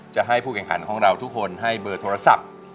จะให้ผู้แข่งขันของเราทุกคนให้เบอร์โทรศัพท์